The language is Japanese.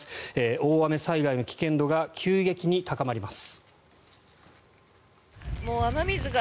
大雨災害の危険度が急激に高まります。